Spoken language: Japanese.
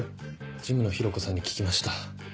事務の宏子さんに聞きました。